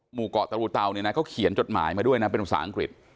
หมู่เกาะตะรูเตาเนี่ยนะเขาเขียนจดหมายมาด้วยนะเป็นภาษาอังกฤษ